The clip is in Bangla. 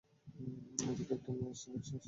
ওদিকে একটা মেয়ে আসছে দেখছিস?